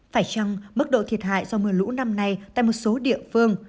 phải chăng mức độ thiệt hại do mưa lũ năm nay tại một số địa phương